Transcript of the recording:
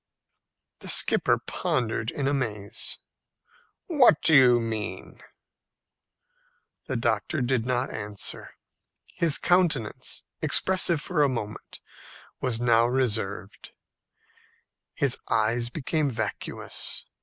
The skipper pondered in amaze. "What do you mean?" The doctor did not answer. His countenance, expressive for a moment, was now reserved. His eyes became vacuous.